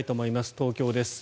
東京です。